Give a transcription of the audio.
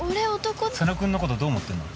佐野君のことどう思ってんの？